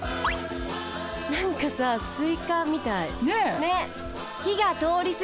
何かさスイカみたい。ね。